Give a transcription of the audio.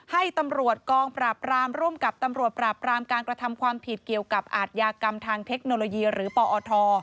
ให้ตำรวจกองปราบรามร่วมกับตำรวจปราบรามการกระทำความผิดเกี่ยวกับอาทยากรรมทางเทคโนโลยีหรือปอท